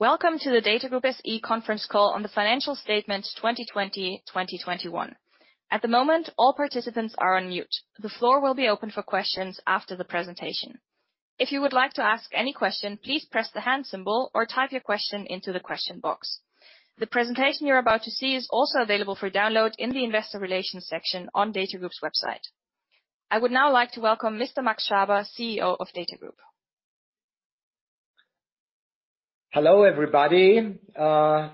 Welcome to the DATAGROUP SE Conference Call on the financial statement 2020, 2021. At the moment, all participants are on mute. The floor will be open for questions after the presentation. If you would like to ask any question, please press the hand symbol or type your question into the question box. The presentation you're about to see is also available for download in the investor relations section on DATAGROUP's website. I would now like to welcome Mr. Max H.-H. Schaber, CEO of DATAGROUP. Hello, everybody.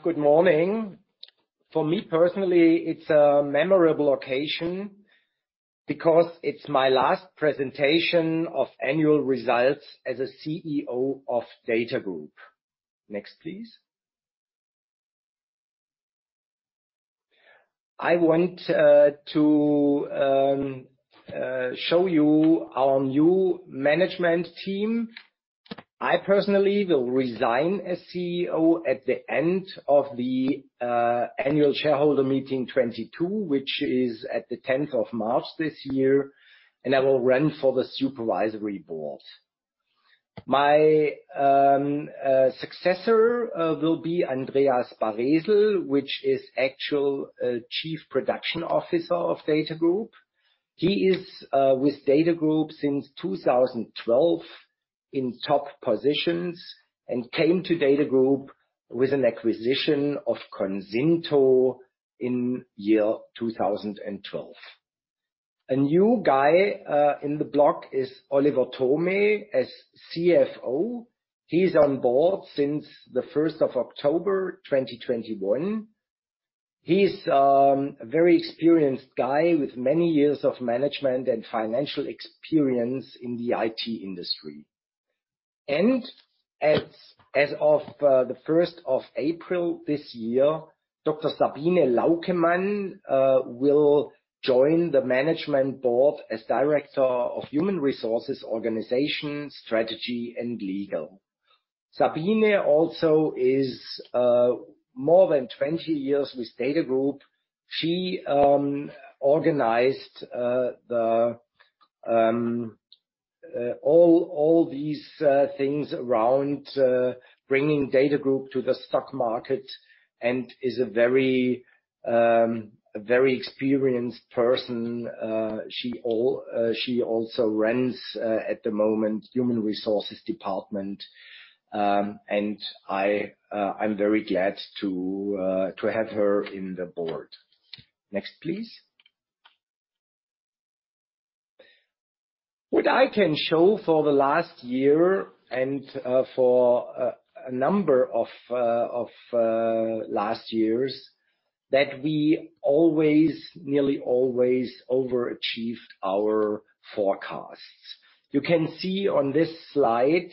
Good morning. For me, personally, it's a memorable occasion because it's my last presentation of annual results as a CEO of DATAGROUP. Next, please. I want to show you our new management team. I personally will resign as CEO at the end of the annual shareholder meeting 2022, which is on the tenth of March this year, and I will run for the supervisory board. My successor will be Andreas Baresel, who is actually Chief Production Officer of DATAGROUP. He is with DATAGROUP since 2012 in top positions and came to DATAGROUP with an acquisition of Consinto in year 2012. A new guy on the block is Oliver Thome as CFO. He's on board since the first of October 2021. He's a very experienced guy with many years of management and financial experience in the IT industry. As of the first of April this year, Dr. Sabine Laukemann will join the management board as Director of Human Resources, Organization, Strategy and Legal. Sabine also is more than 20 years with DATAGROUP. She organized all these things around bringing DATAGROUP to the stock market and is a very experienced person. She also runs at the moment Human Resources department. I'm very glad to have her in the board. Next, please. What I can show for the last year and for a number of last years, that we nearly always overachieved our forecasts. You can see on this slide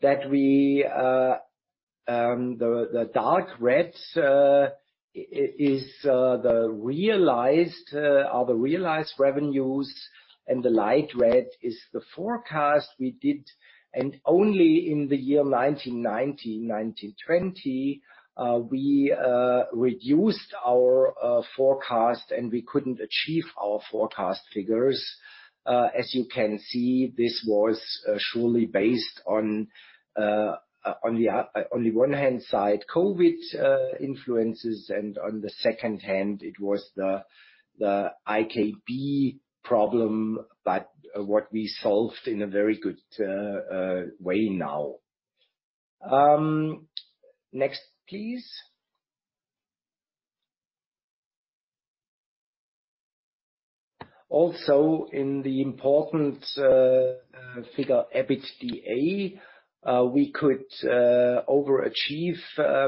that the dark red is the realized revenues, and the light red is the forecast we did. Only in the year 2019, 2020, we reduced our forecast, and we couldn't achieve our forecast figures. As you can see, this was surely based on the one hand side, COVID influences, and on the second hand, it was the IKB problem, but what we solved in a very good way now. Next please. Also, in the important figure, EBITDA, we could overachieve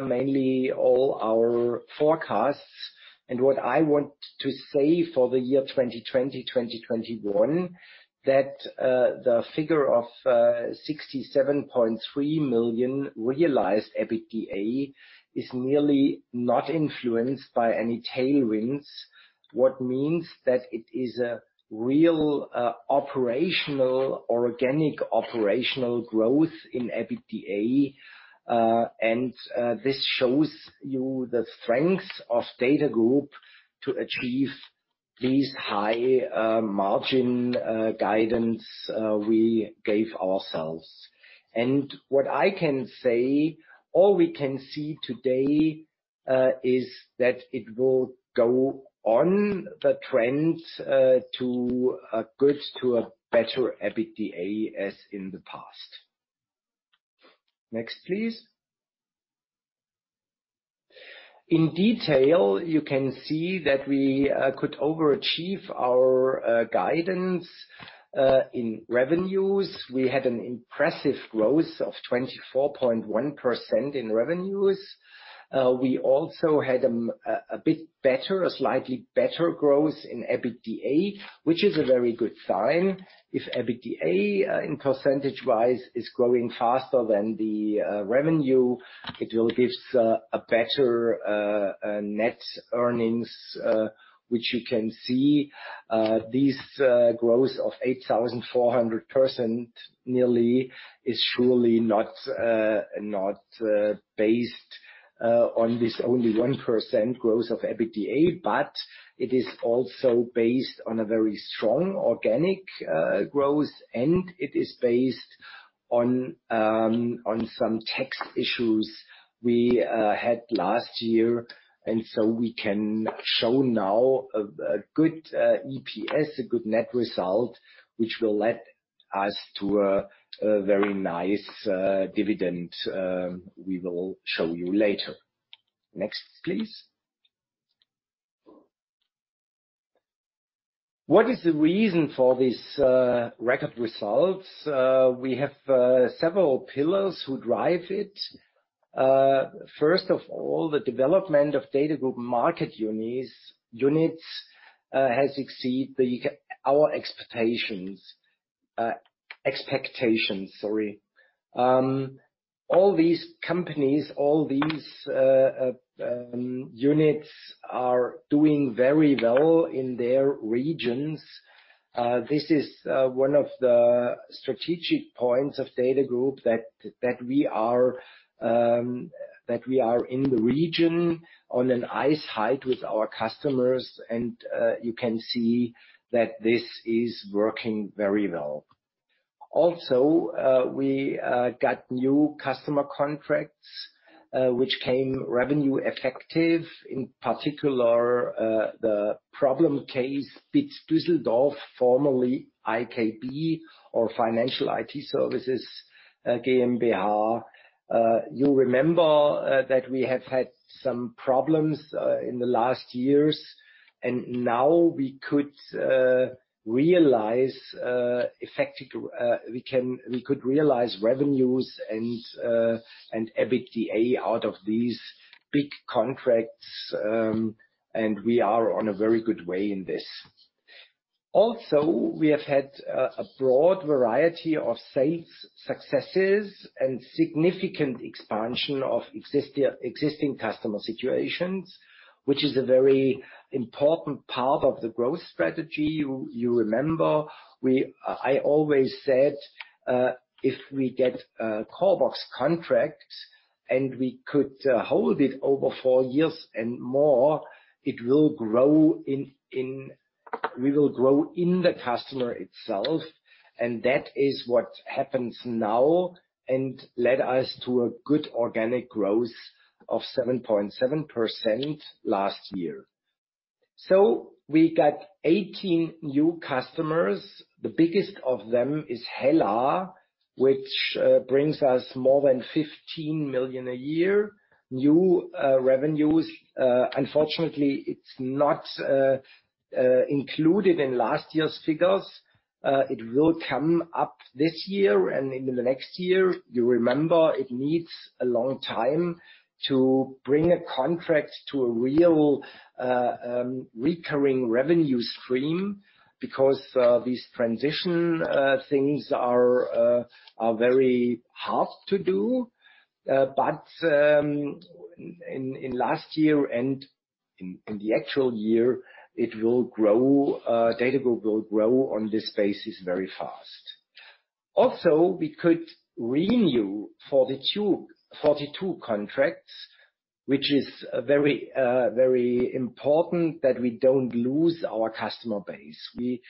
mainly all our forecasts. What I want to say for the year 2020/2021, that, the figure of 67.3 million realized EBITDA is nearly not influenced by any tailwinds. What means that it is a real, operational, organic growth in EBITDA, and, this shows you the strength of DATAGROUP to achieve these high, margin, guidance, we gave ourselves. What I can say, all we can see today, is that it will go on the trends, to a better EBITDA as in the past. Next, please. In detail, you can see that we, could overachieve our, guidance, in revenues. We had an impressive growth of 24.1% in revenues. We also had a slightly better growth in EBITDA, which is a very good sign. If EBITDA in percentage-wise is growing faster than the revenue, it will gives a better net earnings, which you can see. This growth of 8,400% nearly is surely not based on this only 1% growth of EBITDA, but it is also based on a very strong organic growth, and it is based on some tax issues we had last year. We can show now a good EPS, a good net result, which will let us to a very nice dividend we will show you later. Next, please. What is the reason for this record results? We have several pillars who drive it. First of all, the development of DATAGROUP market units has exceeded our expectations. All these companies, all these units are doing very well in their regions. This is one of the strategic points of DATAGROUP that we are in the region onsite with our customers and you can see that this is working very well. Also, we got new customer contracts which came revenue effective, in particular, the prominent case BIT Düsseldorf, formerly IKB Data or Financial IT Services GmbH. You remember that we have had some problems in the last years, and now we could realize effectively revenues and EBITDA out of these big contracts, and we are on a very good way in this. Also, we have had a broad variety of sales successes and significant expansion of existing customer situations, which is a very important part of the growth strategy. You remember, I always said, if we get a CORBOX contract and we could hold it over four years and more, it will grow. We will grow in the customer itself, and that is what happens now, and led us to a good organic growth of 7.7% last year. We got 18 new customers. The biggest of them is Hella, which brings us more than 15 million a year. New revenues, unfortunately, it's not included in last year's figures. It will come up this year and into the next year. You remember it needs a long time to bring a contract to a real recurring revenue stream because these transition things are very hard to do. In last year and in the actual year, it will grow. DATAGROUP will grow on this basis very fast. Also, we could renew 42 contracts, which is very important that we don't lose our customer base. We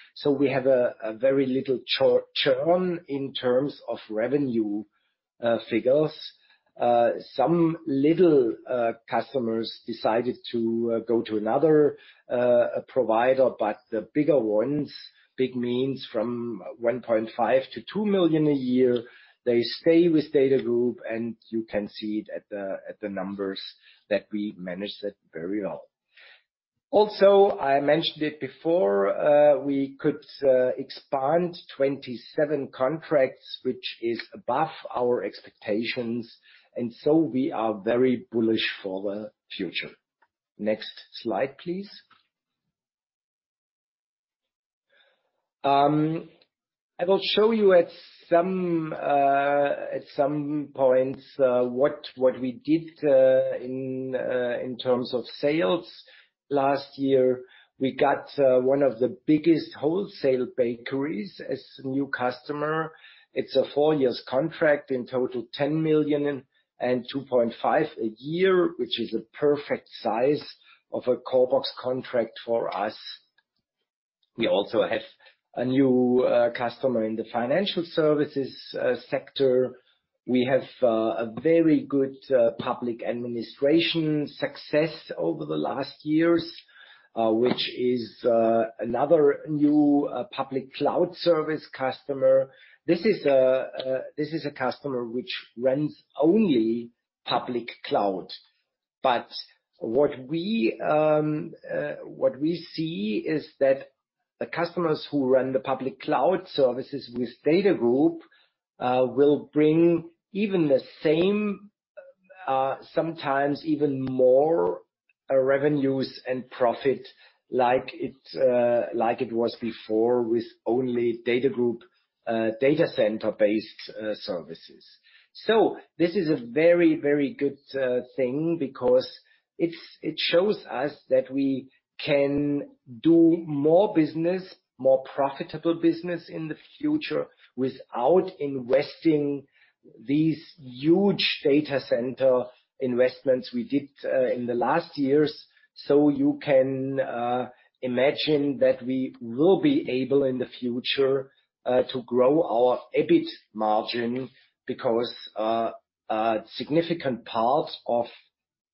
have a very little churn in terms of revenue figures. Some little customers decided to go to another provider, but the bigger ones, big means from 1.5 million to 2 million a year, they stay with DATAGROUP, and you can see it at the numbers that we managed that very well. Also, I mentioned it before, we could expand 27 contracts, which is above our expectations, and so we are very bullish for the future. Next slide, please. I will show you at some points what we did in terms of sales. Last year, we got one of the biggest wholesale bakeries as a new customer. It's a four-year contract, in total 10 million and 2.5 a year, which is a perfect size of a CORBOX contract for us. We also have a new customer in the financial services sector. We have a very good public administration success over the last years, which is another new public cloud service customer. This is a customer which runs only public cloud. But what we see is that the customers who run the public cloud services with DATAGROUP will bring even the same, sometimes even more, revenues and profit like it was before with only DATAGROUP data center-based services. This is a very, very good thing because it shows us that we can do more business, more profitable business in the future without investing these huge data center investments we did in the last years. You can imagine that we will be able, in the future, to grow our EBIT margin because a significant part of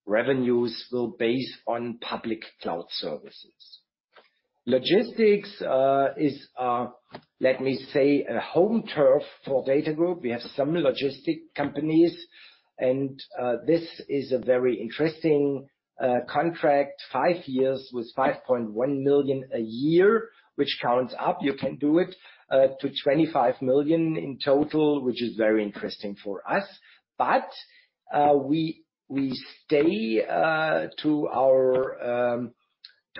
revenues will be based on public cloud services. Logistics is, let me say, a home turf for DATAGROUP. We have some logistic companies, and this is a very interesting contract, five years with 5.1 million a year, which counts up, you can do it, to 25 million in total, which is very interesting for us. We stick to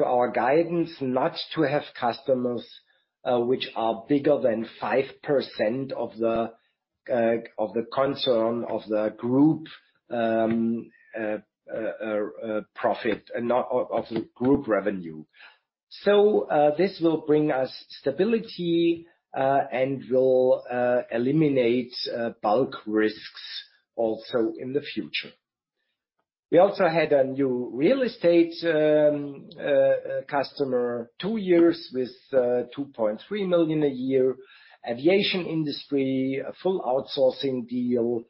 our guidance not to have customers which are bigger than 5% of the concern of the group profit and not of the group revenue. This will bring us stability and will eliminate bulk risks also in the future. We also had a new real estate customer, two years with 2.3 million a year. Aviation industry, a full outsourcing deal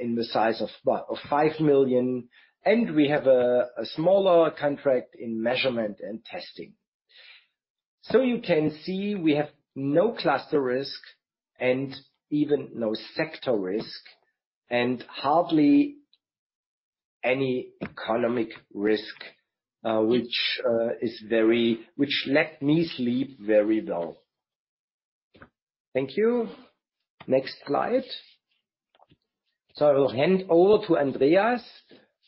in the size of, well, of 5 million. We have a smaller contract in measurement and testing. You can see we have no cluster risk and even no sector risk, and hardly any economic risk, which let me sleep very well. Thank you. Next slide. I will hand over to Andreas.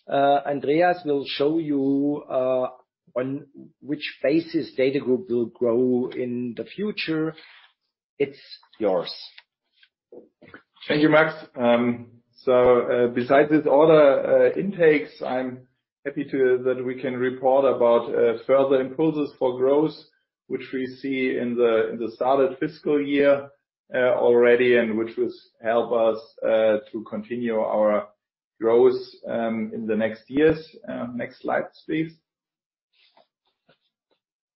Andreas will show you on which basis DATAGROUP will grow in the future. It's yours. Thank you, Max. Besides this order, intakes, I'm happy that we can report about further impulses for growth, which we see in the started fiscal year already, and which will help us to continue our growth in the next years. Next slide, please.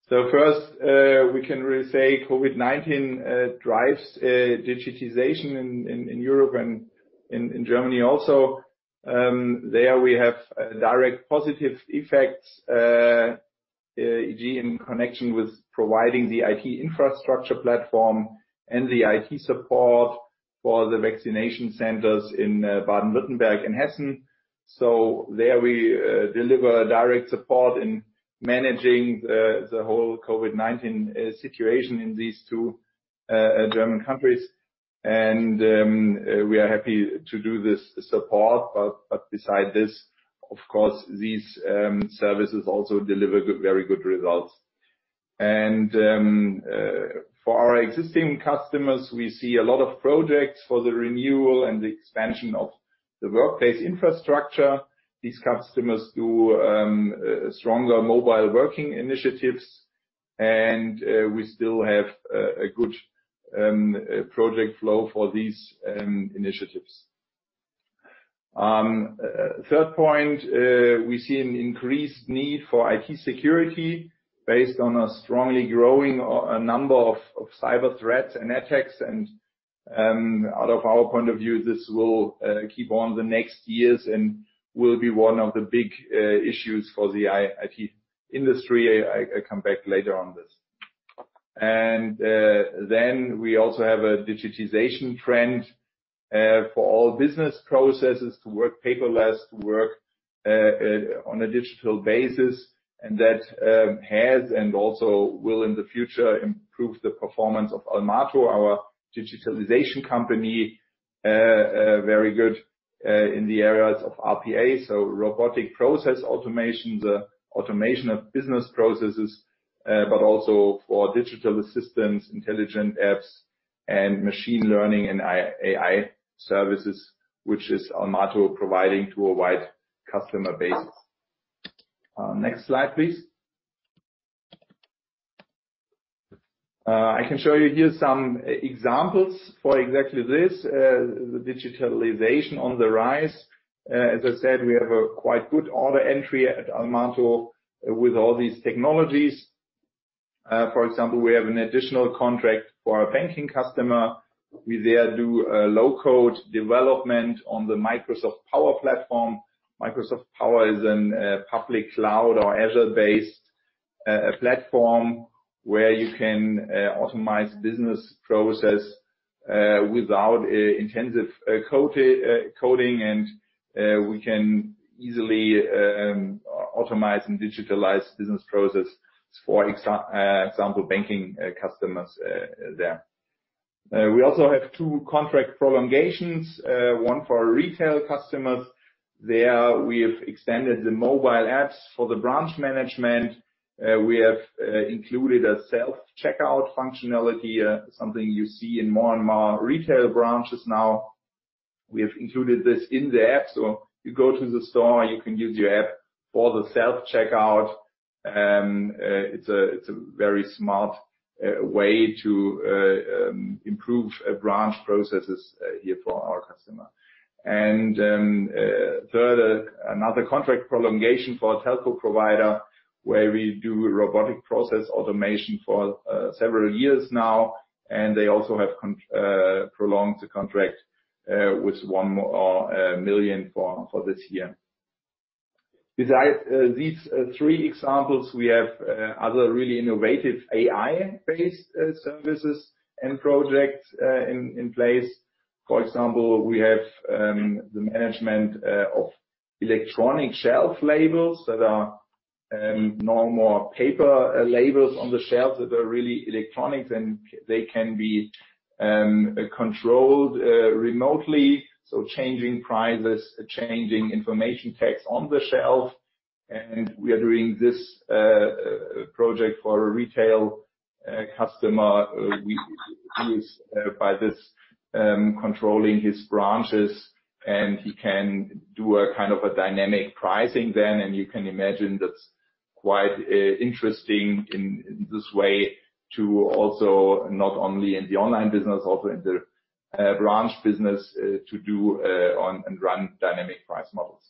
First, we can really say COVID-19 drives digitization in Europe and in Germany also. There we have direct positive effects in connection with providing the IT infrastructure platform and the IT support for the vaccination centers in Baden-Württemberg and Hessen. There we deliver direct support in managing the whole COVID-19 situation in these two German countries. We are happy to do this support. Besides this, of course, these services also deliver good, very good results. For our existing customers, we see a lot of projects for the renewal and the expansion of the workplace infrastructure. These customers do stronger mobile working initiatives, and we still have a good project flow for these initiatives. Third point, we see an increased need for IT security based on a strongly growing number of cyber threats and attacks. Out of our point of view, this will keep on the next years and will be one of the big issues for the IT industry. I come back later on this. Then we also have a digitization trend for all business processes to work paperless, to work on a digital basis. That has and also will in the future improve the performance of Almato, our digitalization company, very good, in the areas of RPA, so robotic process automation, the automation of business processes, but also for digital assistants, intelligent apps, and machine learning and AI services, which is Almato providing to a wide customer base. Next slide, please. I can show you here some examples for exactly this, the digitalization on the rise. As I said, we have a quite good order entry at Almato with all these technologies. For example, we have an additional contract for our banking customer. We there do a low-code development on the Microsoft Power Platform. Microsoft Power Platform is a public cloud or Azure-based platform where you can optimize business process without intensive coding, and we can easily automate and digitalize business process, for example, banking customers there. We also have two contract prolongations, one for our retail customers. There, we have extended the mobile apps for the branch management. We have included a self-checkout functionality, something you see in more and more retail branches now. We have included this in the app. You go to the store, you can use your app for the self-checkout. It's a very smart way to improve branch processes here for our customer. Further, another contract prolongation for a telco provider where we do robotic process automation for several years now, and they also have prolonged the contract with 1 million for this year. Besides these three examples, we have other really innovative AI-based services and projects in place. For example, we have the management of electronic shelf labels that are no more paper labels on the shelves. That they are really electronic and they can be controlled remotely, so changing prices, changing information text on the shelf. We are doing this project for a retail customer. We use by this controlling his branches, and he can do a kind of a dynamic pricing then. You can imagine that's quite interesting in this way to also not only in the online business, also in the branch business, to do on and run dynamic price models.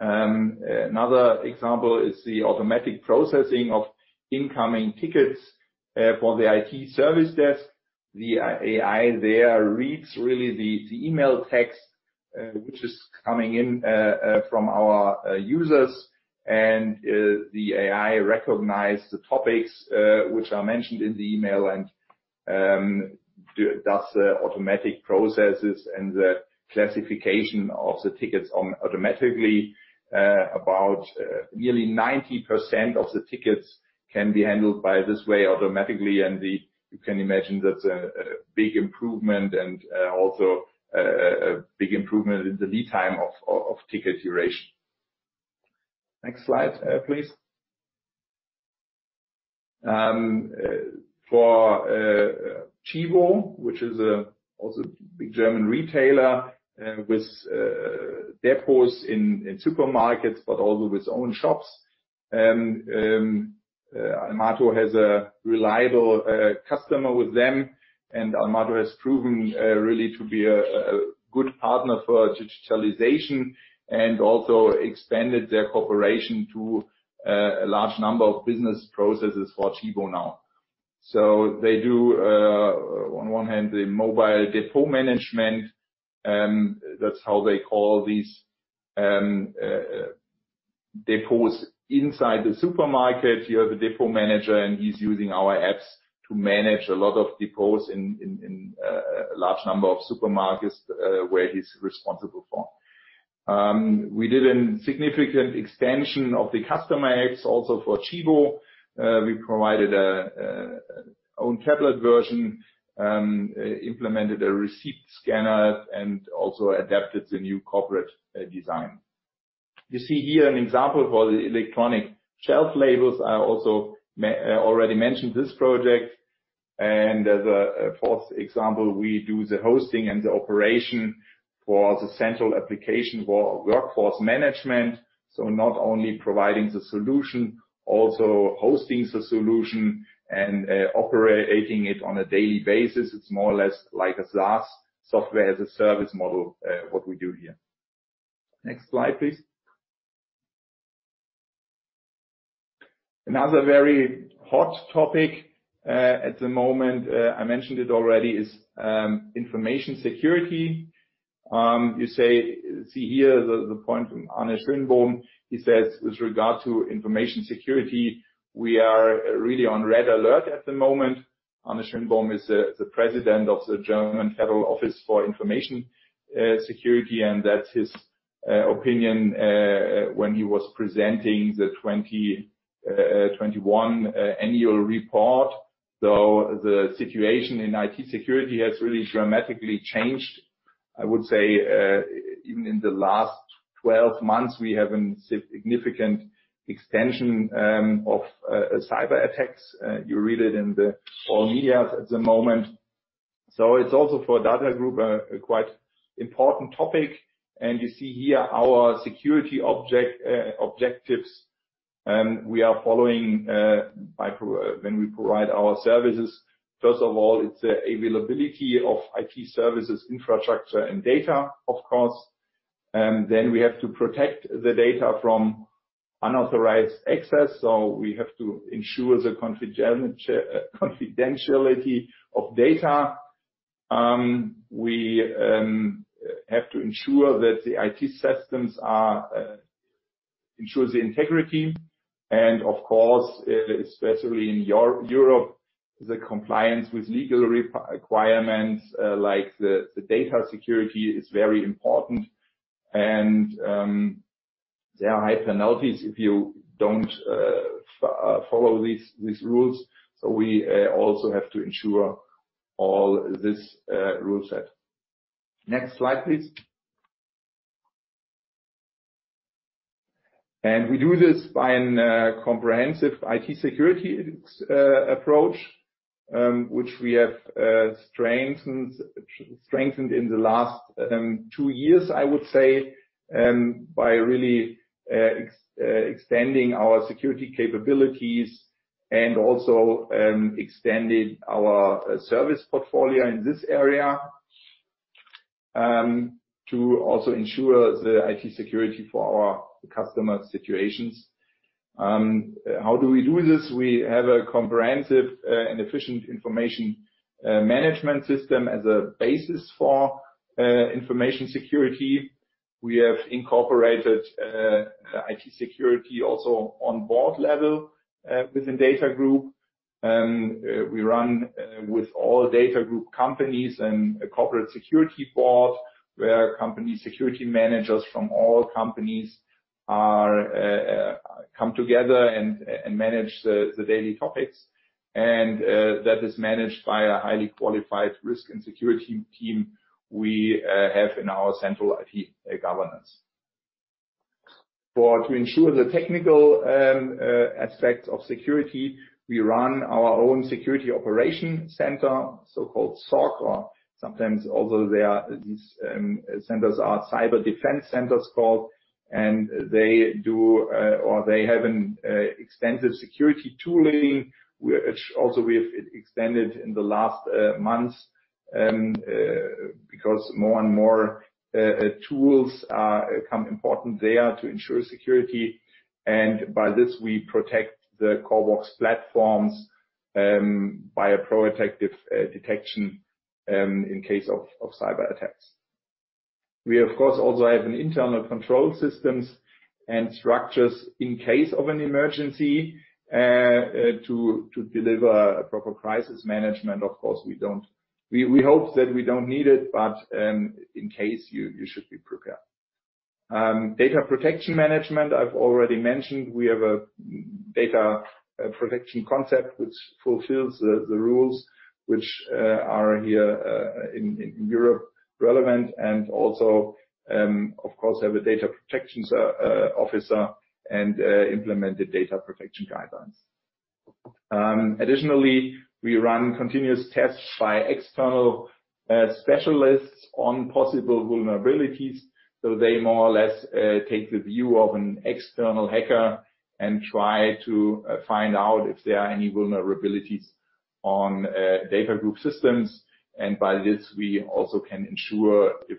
Another example is the automatic processing of incoming tickets for the IT service desk. The AI there reads really the email text which is coming in from our users. The AI recognize the topics which are mentioned in the email and does the automatic processes and the classification of the tickets automatically. About nearly 90% of the tickets can be handled by this way automatically, and you can imagine that's a big improvement and also a big improvement in the lead time of ticket duration. Next slide, please. For Tchibo, which is also a big German retailer with depots in supermarkets, but also with own shops. Almato has a reliable customer with them, and Almato has proven really to be a good partner for digitalization and also expanded their cooperation to a large number of business processes for Tchibo now. They do on one hand the mobile depot management, that's how they call these depots inside the supermarket. You have a depot manager, and he's using our apps to manage a lot of depots in a large number of supermarkets where he's responsible for. We did a significant extension of the customer apps also for Tchibo. We provided our own tablet version, implemented a receipt scanner, and also adapted the new corporate design. You see here an example for the electronic shelf labels. I already mentioned this project. As a fourth example, we do the hosting and the operation for the central application for workforce management. Not only providing the solution, also hosting the solution and operating it on a daily basis. It's more or less like a SaaS, Software as a Service model, what we do here. Next slide, please. Another very hot topic at the moment, I mentioned it already, is information security. You see here the point from Arne Schönbohm. He says, "With regard to information security, we are really on red alert at the moment." Arne Schönbohm is the President of the German Federal Office for Information Security, and that's his opinion when he was presenting the 2021 annual report. The situation in IT security has really dramatically changed. I would say even in the last 12 months, we have a significant extension of cyber attacks. You read it in the all media at the moment. It's also for DATAGROUP a quite important topic. You see here our security objectives we are following when we provide our services. First of all, it's the availability of IT services, infrastructure and data, of course. We have to protect the data from unauthorized access, so we have to ensure the confidentiality of data. We have to ensure that the IT systems ensure the integrity. Of course, especially in Europe, the compliance with legal requirements, like the data security is very important. There are high penalties if you don't follow these rules. We also have to ensure all this rule set. Next slide, please. We do this by a comprehensive IT security approach, which we have strengthened in the last two years, I would say, by really extending our security capabilities and also extending our service portfolio in this area, to also ensure the IT security for our customer situations. How do we do this? We have a comprehensive and efficient information management system as a basis for information security. We have incorporated the IT security also on board level within DATAGROUP. We run with all DATAGROUP companies and a corporate security board, where company security managers from all companies come together and manage the daily topics. That is managed by a highly qualified risk and security team we have in our central IT governance. To ensure the technical aspects of security, we run our own security operation center, so-called SOC, or sometimes also there are these centers are cyber defense centers called, and they do or they have an extensive security tooling. Also, we have extended in the last months because more and more tools become important there to ensure security. By this, we protect the CORBOX platforms by a proactive detection in case of cyber attacks. We, of course, also have internal control systems and structures in case of an emergency to deliver a proper crisis management. Of course, we hope that we don't need it, but in case you should be prepared. Data protection management, I've already mentioned, we have a data protection concept which fulfills the rules which are here in Europe relevant and also, of course, have a data protection officer and implemented data protection guidelines. Additionally, we run continuous tests by external specialists on possible vulnerabilities. They more or less take the view of an external hacker and try to find out if there are any vulnerabilities on DATAGROUP systems. By this, we also can ensure if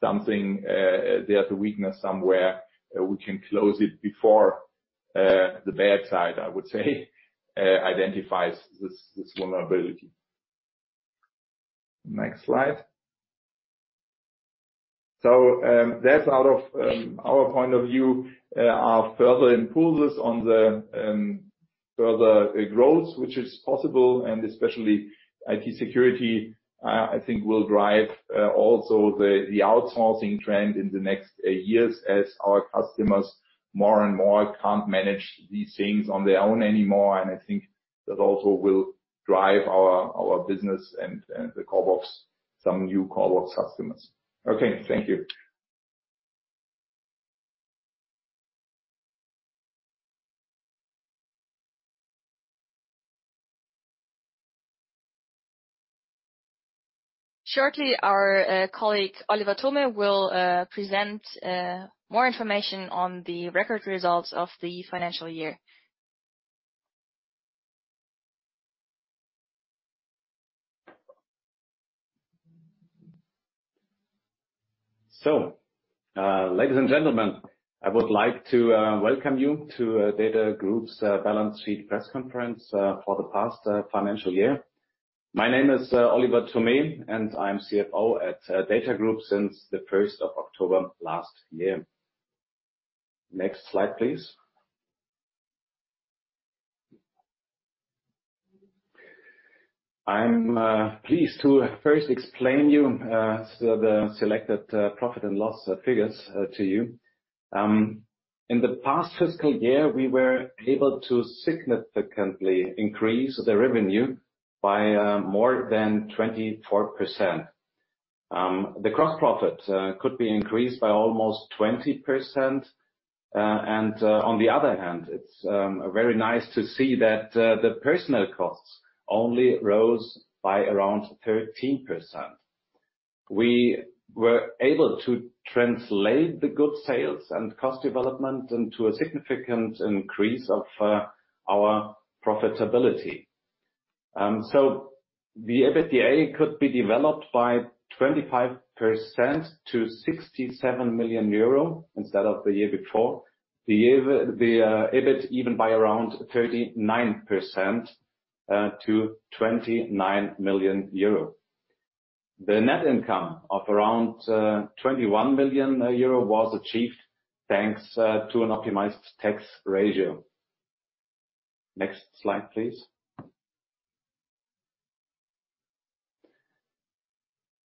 something, there's a weakness somewhere, we can close it before the bad side, I would say, identifies this vulnerability. Next slide. That's out of our point of view are further improvements on the further growth, which is possible, and especially IT security I think will drive also the outsourcing trend in the next years as our customers more and more can't manage these things on their own anymore. I think that also will drive our business and the CORBOX, some new CORBOX customers. Okay, thank you. Shortly, our colleague Oliver Thome will present more information on the record results of the financial year. Ladies and gentlemen, I would like to welcome you to DATAGROUP's balance sheet press conference for the past financial year. My name is Oliver Thome, and I'm CFO at DATAGROUP since the first of October last year. Next slide, please. I'm pleased to first explain to you the selected profit and loss figures to you. In the past fiscal year, we were able to significantly increase the revenue by more than 24%. The gross profit could be increased by almost 20%. On the other hand, it's very nice to see that the personnel costs only rose by around 13%. We were able to translate the good sales and cost development into a significant increase of our profitability. The EBITDA could be developed by 25% to 67 million euro instead of the year before. The EBIT even by around 39% to 29 million euro. The net income of around 21 million euro was achieved, thanks to an optimized tax ratio. Next slide, please.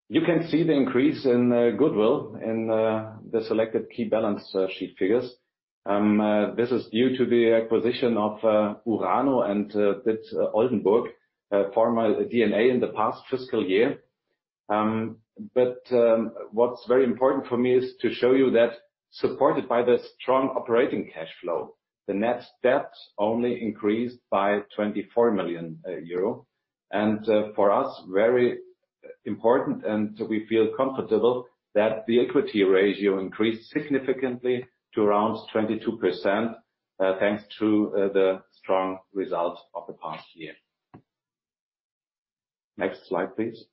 You can see the increase in goodwill in the selected key balance sheet figures. This is due to the acquisition of URANO and BIT Oldenburg, former dna in the past fiscal year. What's very important for me is to show you that supported by the strong operating cash flow, the net debt only increased by 24 million euro. For us, very important and we feel comfortable that the equity ratio increased significantly to around 22%, thanks to the strong results of the past year. Next slide, please.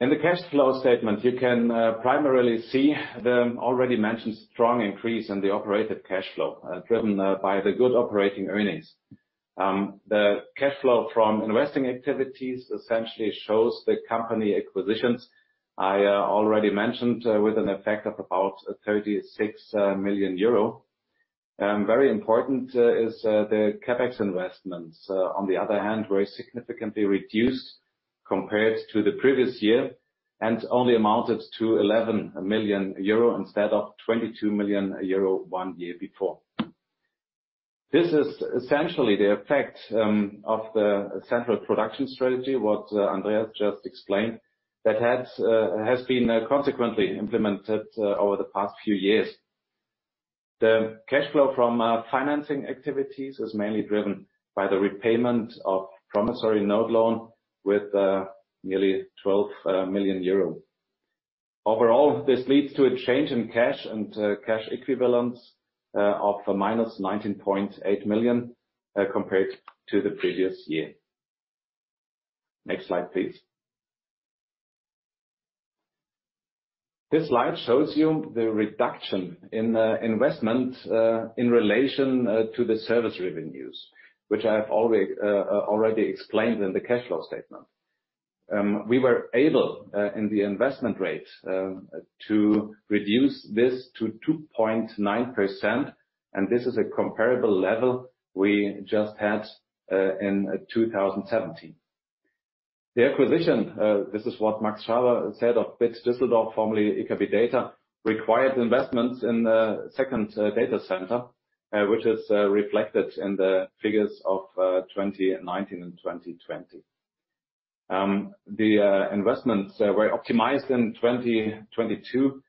In the cash flow statement, you can primarily see the already mentioned strong increase in the operating cash flow, driven by the good operating earnings. The cash flow from investing activities essentially shows the company acquisitions I already mentioned, with an effect of about 36 million euro. Very important is the CapEx investments on the other hand were significantly reduced compared to the previous year and only amounted to 11 million euro instead of 22 million euro one year before. This is essentially the effect of the central production strategy what Andreas just explained that has been consequently implemented over the past few years. The cash flow from financing activities was mainly driven by the repayment of promissory note loan with nearly 12 million euros. Overall, this leads to a change in cash and cash equivalents of -19.8 million compared to the previous year. Next slide, please. This slide shows you the reduction in investment in relation to the service revenues, which I have already explained in the cash flow statement. We were able in the investment rate to reduce this to 2.9%, and this is a comparable level we just had in 2017. The acquisition, this is what Max Schaber said of BIT Düsseldorf, formerly IKB Data, required investments in the second data center, which is reflected in the figures of 2019 and 2020. The investments were optimized in 2022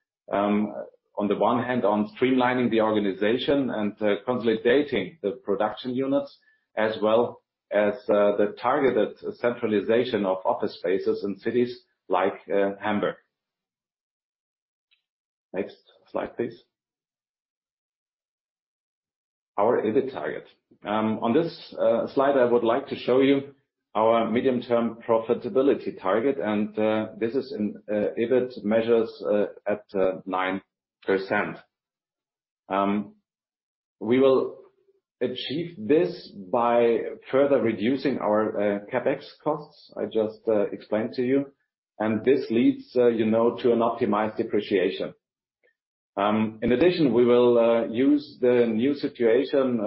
on the one hand on streamlining the organization and consolidating the production units as well as the targeted centralization of office spaces in cities like Hamburg. Next slide, please. Our EBIT target. On this slide, I would like to show you our medium-term profitability target, and this is in EBIT measures at 9%. We will achieve this by further reducing our CapEx costs I just explained to you, and this leads you know to an optimized depreciation. In addition, we will use the new situation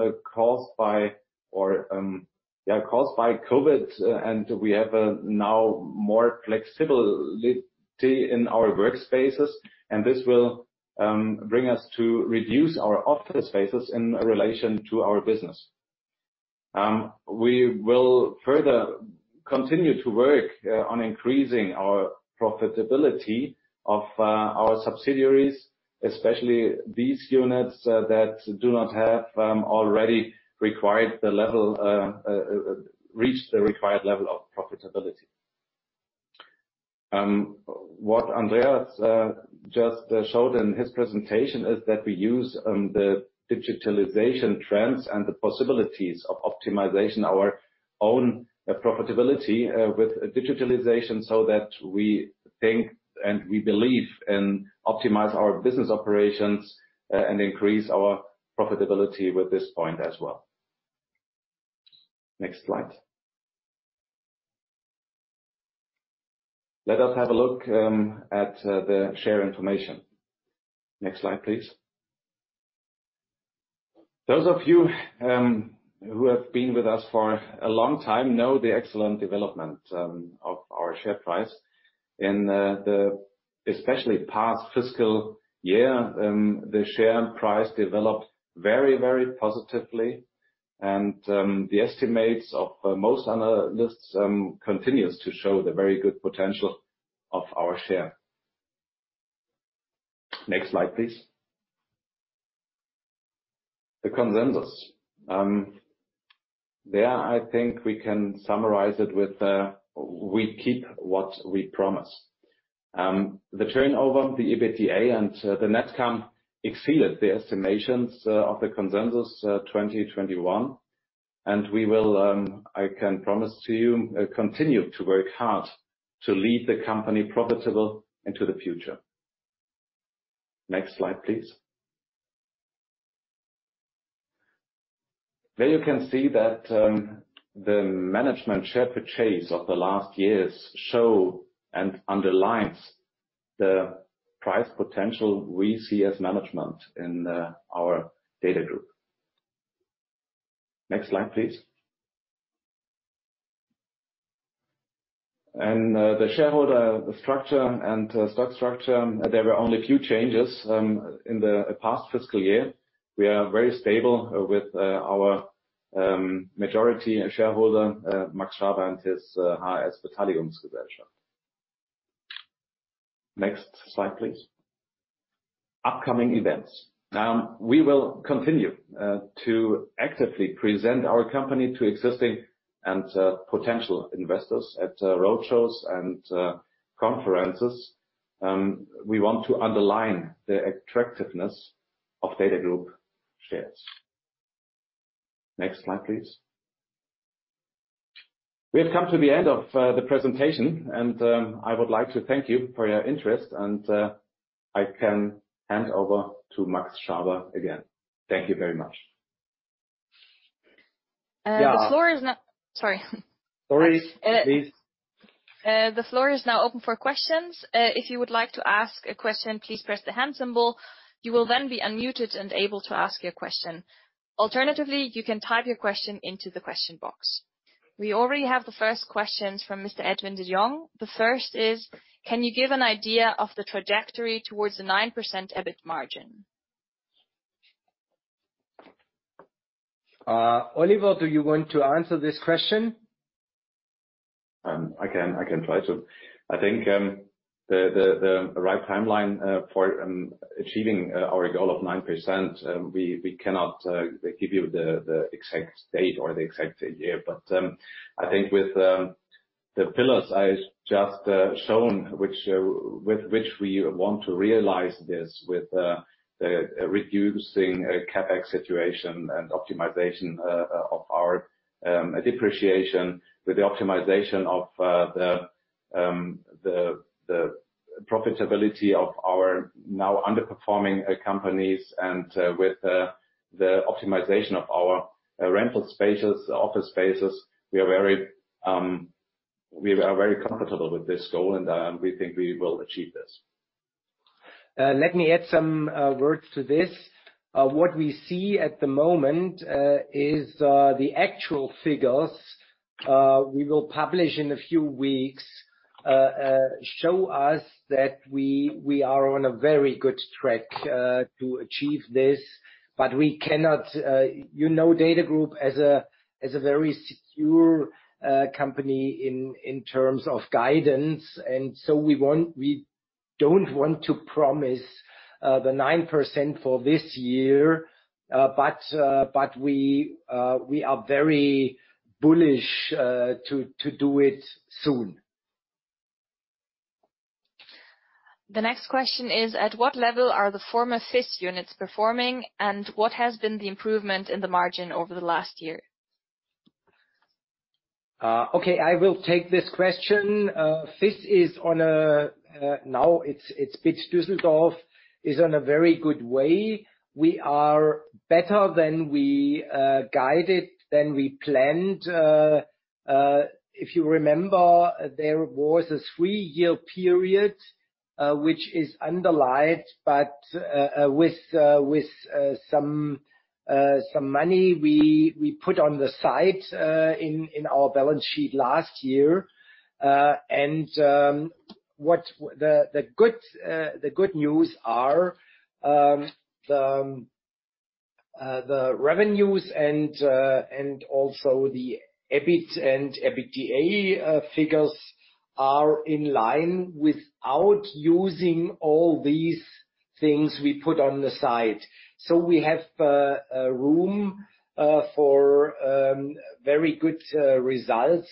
caused by COVID, and we have now more flexibility in our workspaces, and this will bring us to reduce our office spaces in relation to our business. We will further continue to work on increasing our profitability of our subsidiaries, especially these units that do not have already reached the required level of profitability. What Andreas just showed in his presentation is that we use the digitalization trends and the possibilities of optimizing our own profitability with digitalization, so that we think and we believe and optimize our business operations and increase our profitability with this point as well. Next slide. Let us have a look at the share information. Next slide, please. Those of you who have been with us for a long time know the excellent development of our share price. In the past fiscal year, especially, the share price developed very, very positively and the estimates of most analysts continues to show the very good potential of our share. Next slide, please. The consensus. There, I think we can summarize it with we keep what we promise. The turnover, the EBITDA, and the net income exceeded the estimates of the consensus 2021, and we will, I can promise you, continue to work hard to lead the company profitable into the future. Next slide, please. There you can see that, the management share purchase of the last years show and underlines the price potential we see as management in our DATAGROUP. Next slide, please. The shareholder structure and stock structure, there were only a few changes in the past fiscal year. We are very stable with our majority shareholder, Max Schaber and his HHS Beteiligungsgesellschaft. Next slide, please. Upcoming events. We will continue to actively present our company to existing and potential investors at roadshows and conferences. We want to underline the attractiveness of DATAGROUP shares. Next slide, please. We have come to the end of the presentation, and I would like to thank you for your interest, and I can hand over to Max Schaber again. Thank you very much. Sorry. Sorry. Please. The floor is now open for questions. If you would like to ask a question, please press the Hand symbol. You will then be unmuted and able to ask your question. Alternatively, you can type your question into the question box. We already have the first questions from Mr. Edwin de Jong. The first is: Can you give an idea of the trajectory towards the 9% EBIT margin? Oliver, do you want to answer this question? I can try to. I think the right timeline for achieving our goal of 9%, we cannot give you the exact date or the exact year. I think with the pillars I just shown, which with which we want to realize this, with the reducing CapEx situation and optimization of our depreciation, with the optimization of the profitability of our now underperforming companies and with the optimization of our rental spaces, office spaces, we are very comfortable with this goal, and we think we will achieve this. Let me add some words to this. What we see at the moment is the actual figures we will publish in a few weeks show us that we are on a very good track to achieve this, but we cannot. You know DATAGROUP as a very secure company in terms of guidance, and so we don't want to promise the 9% for this year, but we are very bullish to do it soon. The next question is, at what level are the former FISS units performing, and what has been the improvement in the margin over the last year? Okay, I will take this question. FISS is on a very good way. It's BIT Düsseldorf is on a very good way. We are better than we guided than we planned. If you remember, there was a three-year period which is underlaid, but with some money we put on the side in our balance sheet last year. The good news are the revenues and also the EBIT and EBITDA figures are in line without using all these things we put on the side. We have room for very good results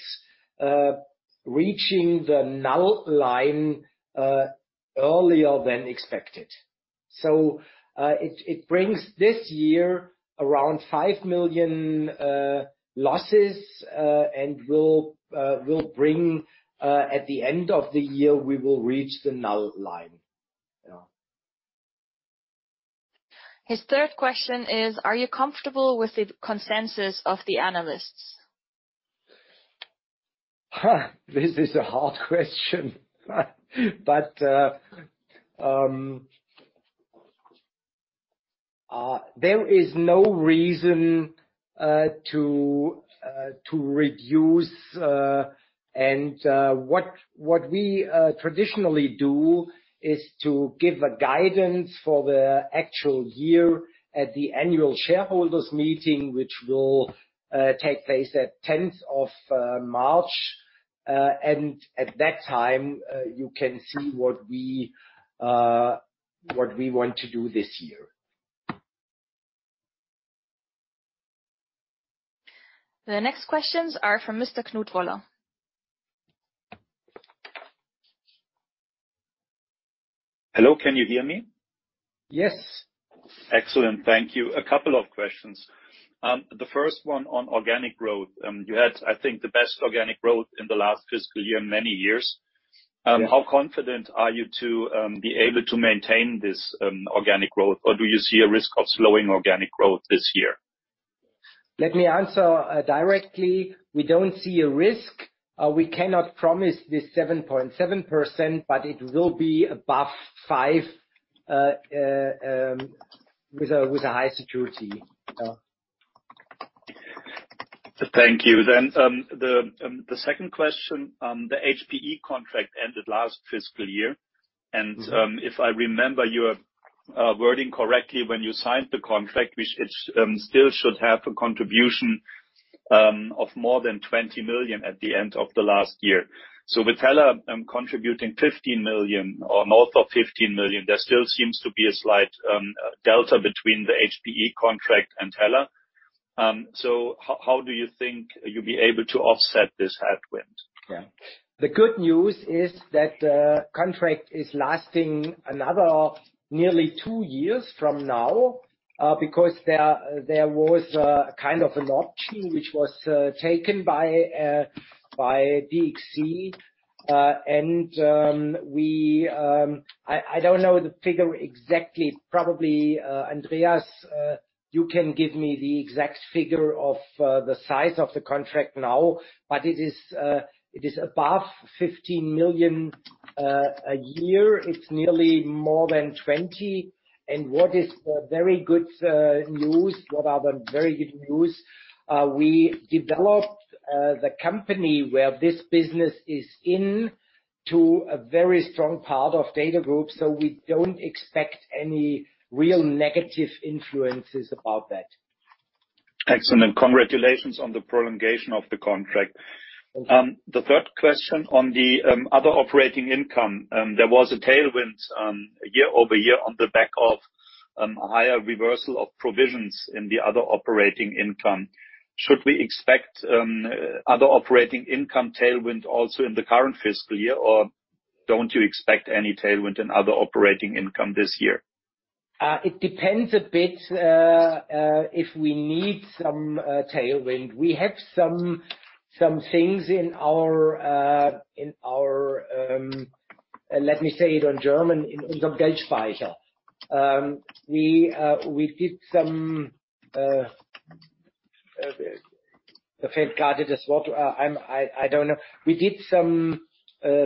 reaching the null line earlier than expected. It brings this year around 5 million losses, and at the end of the year we will reach the null line. Yeah. His third question is, are you comfortable with the consensus of the analysts? Ha. This is a hard question. There is no reason to reduce. What we traditionally do is to give a guidance for the actual year at the annual shareholders meeting, which will take place at 10th of March. At that time, you can see what we want to do this year. The next questions are from Mr. Knut Woller. Hello, can you hear me? Yes. Excellent. Thank you. A couple of questions. The first one on organic growth. You had, I think, the best organic growth in the last fiscal year in many years. Yeah. How confident are you to be able to maintain this organic growth? Or do you see a risk of slowing organic growth this year? Let me answer directly. We don't see a risk. We cannot promise this 7.7%, but it will be above 5% with a high security. Thank you. The second question, the HPE contract ended last fiscal year. Mm-hmm. If I remember your wording correctly when you signed the contract, which it still should have a contribution of more than 20 million at the end of the last year. With Hella contributing 15 million or north of 15 million, there still seems to be a slight delta between the HPE contract and Hella. How do you think you'll be able to offset this headwind? Yeah. The good news is that the contract is lasting another nearly two years from now, because there was a kind of an option which was taken by DXC. I don't know the figure exactly. Probably, Andreas, you can give me the exact figure of the size of the contract now, but it is above 15 million a year. It's nearly more than 20. What is the very good news? What are the very good news? We developed the company where this business is in to a very strong part of DATAGROUP, so we don't expect any real negative influences about that. Excellent. Congratulations on the prolongation of the contract. Thank you. The third question on the other operating income, there was a tailwind year-over-year on the back of higher reversal of provisions in the other operating income. Should we expect other operating income tailwind also in the current fiscal year? Or don't you expect any tailwind in other operating income this year? It depends a bit if we need some tailwind. We have some things in our, let me say it in German, "Geldspeicher". We did some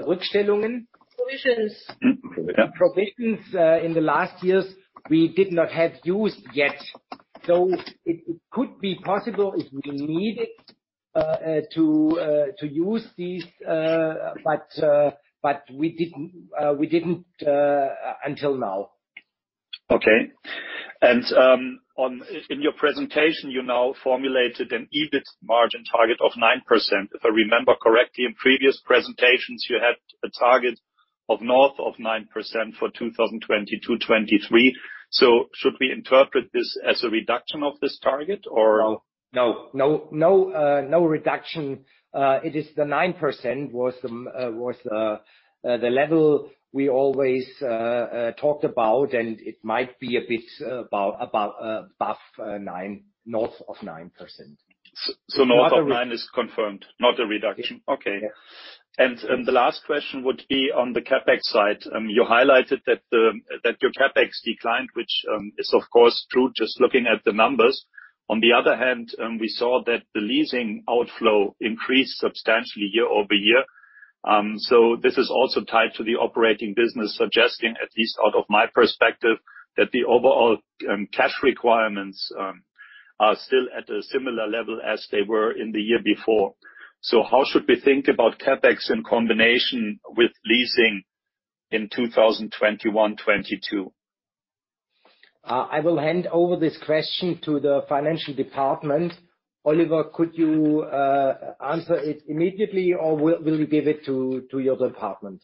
"Rückstellungen". Provisions. Mm-hmm. Yeah. Provisions in the last years we did not have used yet. It could be possible if we need it to use these, but we didn't until now. In your presentation, you now formulated an EBIT margin target of 9%. If I remember correctly, in previous presentations you had a target of north of 9% for 2022/2023. Should we interpret this as a reduction of this target, or- No reduction. It is the 9% was the level we always talked about, and it might be a bit above 9%, north of 9%. North of 9 is confirmed, not a reduction? Yeah. Okay. Yeah. The last question would be on the CapEx side. You highlighted that your CapEx declined, which is of course true, just looking at the numbers. On the other hand, we saw that the leasing outflow increased substantially year-over-year. This is also tied to the operating business, suggesting, at least out of my perspective, that the overall cash requirements are still at a similar level as they were in the year before. How should we think about CapEx in combination with leasing in 2021/2022? I will hand over this question to the financial department. Oliver, could you answer it immediately, or will you give it to your department?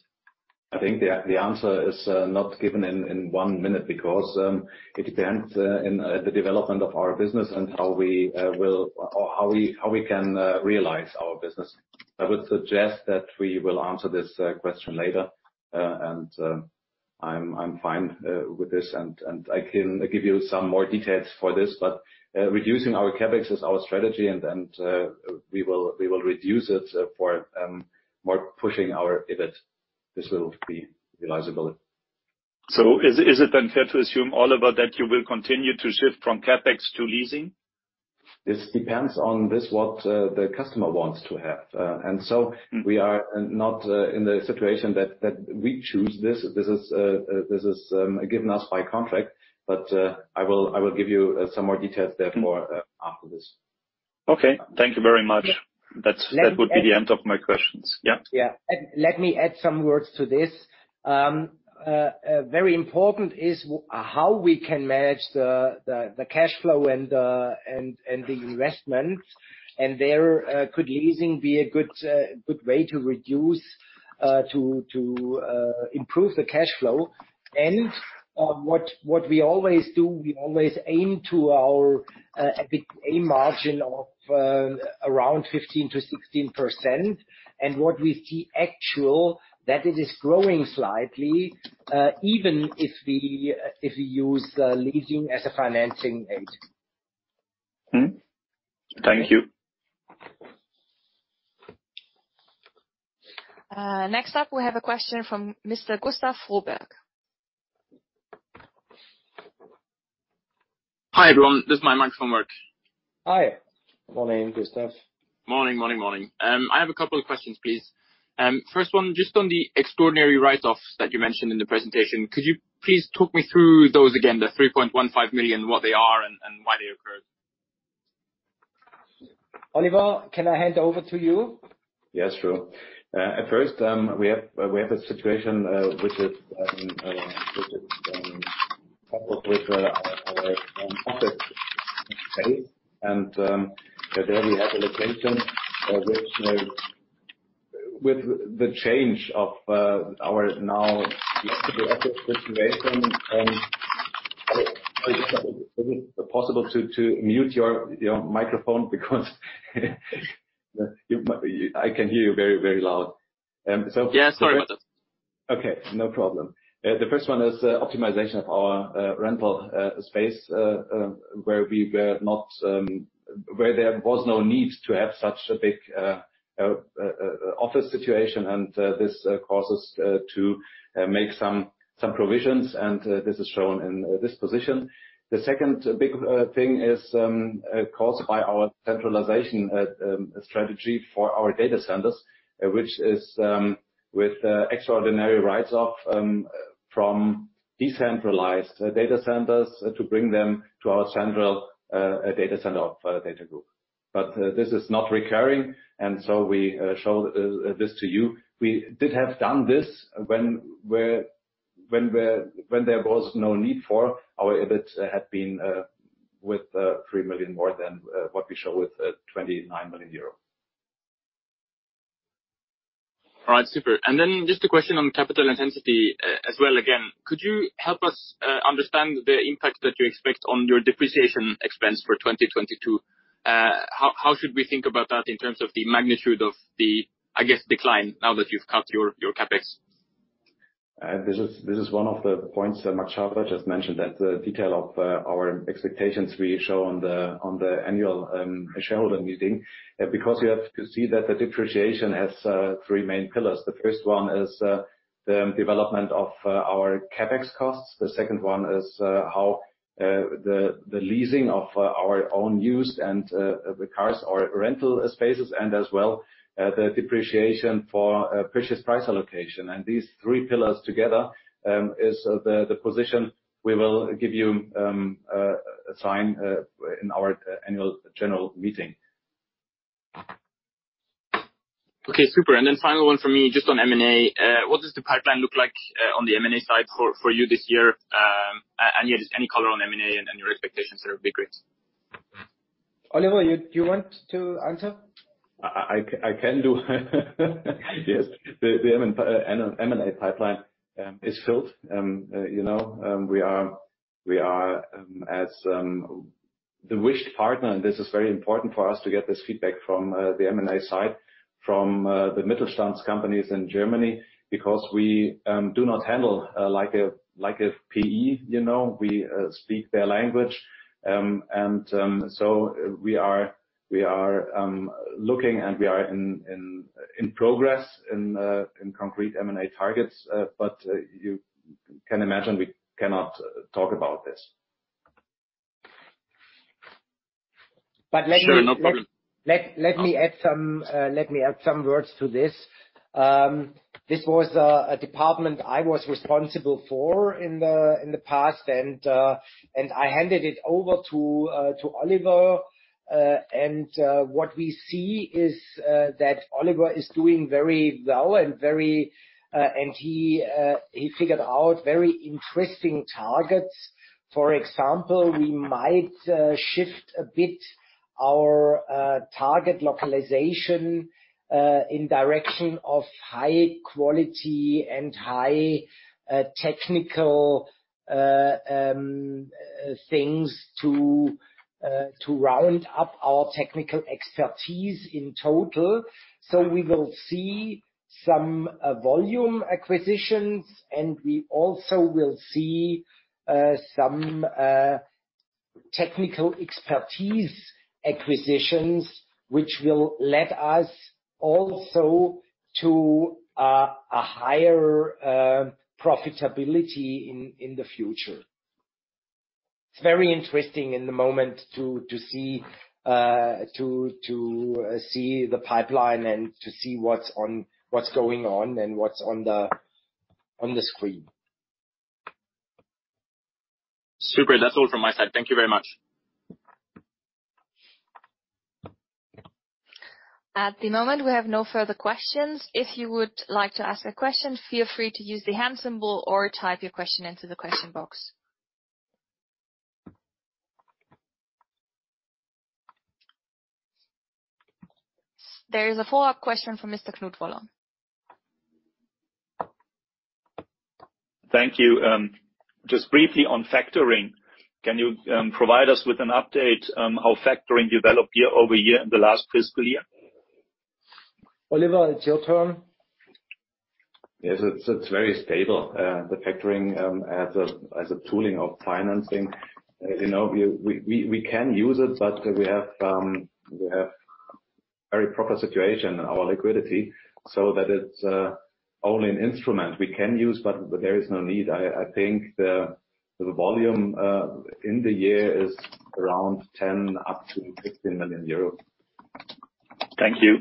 I think the answer is not given in one minute because it depends on the development of our business and how we will or how we can realize our business. I would suggest that we will answer this question later. I'm fine with this, and I can give you some more details for this. Reducing our CapEx is our strategy, and we will reduce it to push our EBIT more. This will be realizable. Is it then fair to assume, Oliver, that you will continue to shift from CapEx to leasing? This depends on what the customer wants to have. Mm-hmm. We are not in the situation that we choose this. This is given us by contract, but I will give you some more details therefore. Mm-hmm. After this. Okay. Thank you very much. Let me- That would be the end of my questions. Yeah. Yeah. Let me add some words to this. Very important is how we can manage the cash flow and the investment. There could leasing be a good way to improve the cash flow. What we always do, we always aim for our EBITDA margin of around 15%-16%. What we see actually is that it is growing slightly, even if we use leasing as a financing aid. Mm-hmm. Thank you. Next up, we have a question from Mr. Gustav Froberg. Hi, everyone. This is Gustav Froberg from Berenberg. Hi. Morning, Greulich. Morning. I have a couple of questions, please. First one, just on the extraordinary write-offs that you mentioned in the presentation. Could you please talk me through those again, the 3.15 million, what they are and why they occurred? Oliver, can I hand over to you? Yes, sure. At first, we have a situation which is with our office space. There we have a location which, with the change of our new office situation. Is it possible to mute your microphone? Because you, I can hear you very, very loud. Yeah, sorry about that. Okay, no problem. The first one is optimization of our rental space where there was no need to have such a big office situation. This causes to make some provisions, and this is shown in this position. The second big thing is caused by our centralization strategy for our data centers, which is with extraordinary write-offs from decentralized data centers to bring them to our central data center of DATAGROUP. This is not recurring, and so we show this to you. We did have done this when there was no need for our EBIT had been with 3 million more than what we show with 29 million euro. All right. Super. Just a question on capital intensity as well. Again, could you help us understand the impact that you expect on your depreciation expense for 2022? How should we think about that in terms of the magnitude of the decline now that you've cut your CapEx? This is one of the points that Max Schaber just mentioned, that the detail of our expectations we show on the annual shareholder meeting. Because you have to see that the depreciation has three main pillars. The first one is the development of our CapEx costs. The second one is how the leasing of our own use and the cars or rental spaces and as well the depreciation for purchase price allocation. These three pillars together is the position we will give you in our annual general meeting. Okay, super. Final one for me, just on M&A. What does the pipeline look like on the M&A side for you this year? Yeah, just any color on M&A and your expectations there would be great. Oliver, you, do you want to answer? I can do. Yes. The M&A pipeline is filled. You know, we are as the wished partner, and this is very important for us to get this feedback from the M&A side, from the Mittelstand companies in Germany, because we do not handle like a PE, you know. We speak their language. So we are looking, and we are in progress in concrete M&A targets. But you can imagine we cannot talk about this. Let me. Sure, no problem. Let me add some words to this. This was a department I was responsible for in the past, and I handed it over to Oliver. What we see is that Oliver is doing very well and very. He figured out very interesting targets. For example, we might shift a bit our target localization in direction of high quality and high technical things to round up our technical expertise in total. We will see some volume acquisitions, and we also will see some technical expertise acquisitions, which will lead us also to a higher profitability in the future. It's very interesting in the moment to see the pipeline and to see what's going on and what's on the screen. Super. That's all from my side. Thank you very much. At the moment, we have no further questions. If you would like to ask a question, feel free to use the hand symbol or type your question into the question box. There is a follow-up question from Mr. Knut Woller. Thank you. Just briefly on factoring, can you provide us with an update how factoring developed year over year in the last fiscal year? Oliver, it's your turn. Yes, it's very stable. The factoring as a tooling of financing. You know, we can use it, but we have very proper situation in our liquidity, so that it's only an instrument we can use, but there is no need. I think the volume in the year is around EUR 10 million-EUR 15 million. Thank you.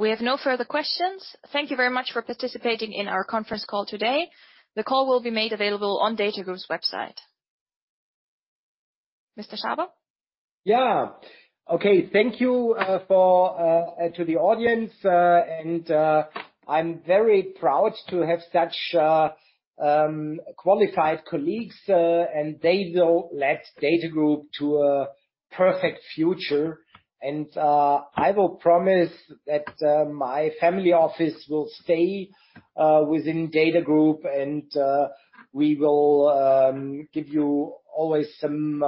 We have no further questions. Thank you very much for participating in our conference call today. The call will be made available on DATAGROUP's website. Mr. Schaber? Yeah. Okay. Thank you to the audience, and I'm very proud to have such qualified colleagues, and they will lead DATAGROUP to a perfect future. I will promise that my family office will stay within DATAGROUP, and we will give you always some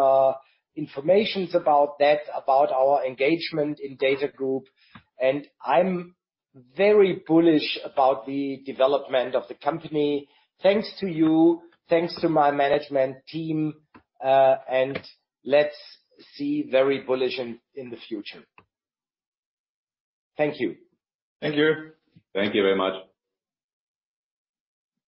information about that, about our engagement in DATAGROUP. I'm very bullish about the development of the company. Thanks to you, thanks to my management team, and let's see very bullish in the future. Thank you. Thank you. Thank you very much.